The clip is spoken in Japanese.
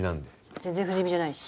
全然不死身じゃないし。